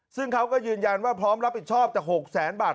ซึ่งเขาก็ยืนยันว่าพร้อมรับผิดชอบจาก๖แสนบาท